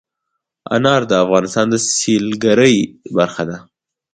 انار د افغانستان د سیلګرۍ برخه ده.